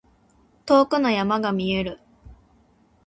遠くの山が見える。